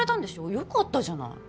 良かったじゃない。